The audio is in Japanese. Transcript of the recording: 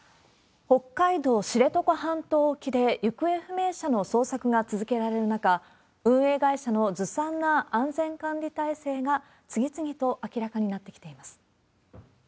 北海道知床半島沖で行方不明者の捜索が続けられる中、運営会社のずさんな安全管理体制が、次々と明らかになってきています。